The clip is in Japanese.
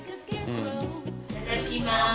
いただきます。